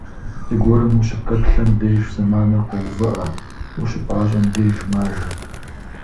Зыгуэрым ущыпэплъэм деж зэманыр къоувыӏэ, ущыпӏащӏэм деж - мажэ.